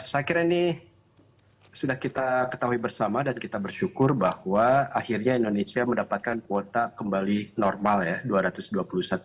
saya kira ini sudah kita ketahui bersama dan kita bersyukur bahwa akhirnya indonesia mendapatkan kuota kembali normal ya